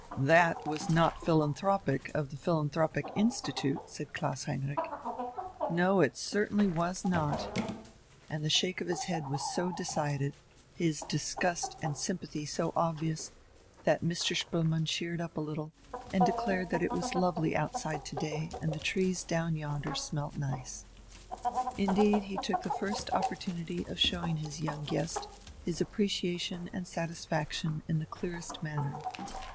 "That was not philanthropic of the philanthropic institute," said Klaus Heinrich. "No, it certainly was not." And the shake of his head was so decided, his disgust and sympathy so obvious, that Mr. Spoelmann cheered up a little and declared that it was lovely outside to day and the trees down yonder smelt nice. Indeed, he took the first opportunity of showing his young guest his appreciation and satisfaction in the clearest manner.